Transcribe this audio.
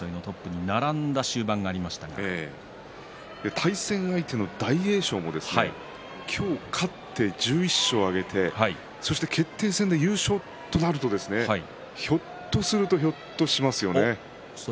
富士をいったん引きずり下ろして優勝争いのトップに対戦相手の大栄翔も今日勝って１１勝を挙げてそして決定戦で優勝となるとひょっとするとひょっとしますよね。